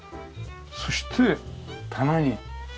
そして棚に収納。